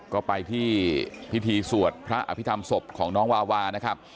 ก็ไปที่พิธีสวดพระอภิษฐรรมศพของน้องวาวานะครับ